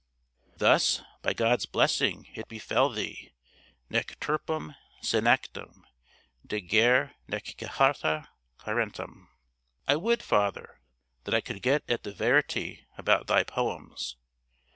Thus, by God's blessing, it befell thee Nec turpem senectam Degere, nec cithara carentem. I would, Father, that I could get at the verity about thy poems.